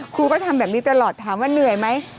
ครูก็ทำแบบนี้ตลอดถามว่าเหนื่อยไหม